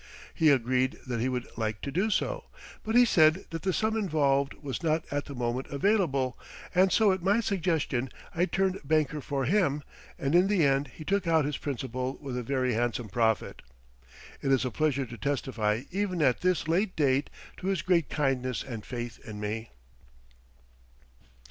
He agreed that he would like to do so, but he said that the sum involved was not at the moment available, and so at my suggestion I turned banker for him, and in the end he took out his principal with a very handsome profit. It is a pleasure to testify even at this late date to his great kindness and faith in me.